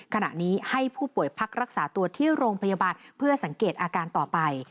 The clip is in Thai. ขณะนี้ให้ผู้ป่วยพักรักษาตัวที่โรงพยาบาลเพื่อสังเกตอาการต่อไป